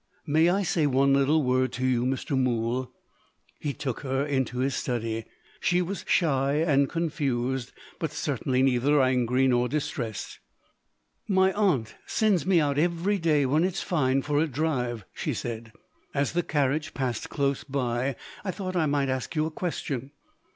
"May I say one little word to you, Mr. Mool?" He took her into his study. She was shy and confused, but certainly neither angry nor distressed. "My aunt sends me out every day, when it's fine, for a drive," she said. "As the carriage passed close by, I thought I might ask you a question."